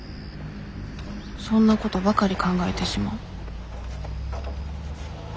そんなことばかり考えてしまう